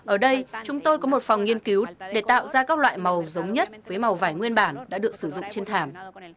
ở đây chúng tôi có một phòng nghiên cứu để tạo ra các loại màu giống nhất với màu vải nguyên bản đã được sử dụng trên thảm